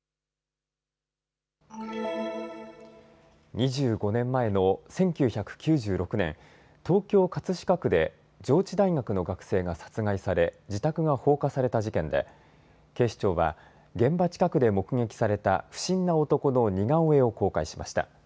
２５年前の１９９６年、東京葛飾区で上智大学の学生が殺害され自宅が放火された事件で警視庁は、現場近くで目撃された不審な男の似顔絵を公開しました。